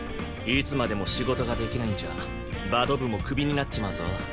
いつまでも仕事ができないんじゃバド部もクビになっちまうぞ。